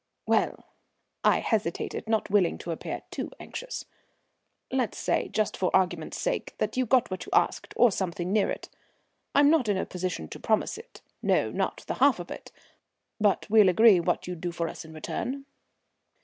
"Well," I hesitated, not willing to appear too anxious, "let's say, just for argument's sake, that you got what you ask, or something near it. I'm not in a position to promise it, no, not the half of it. But we'll agree what you'd do for us in return?"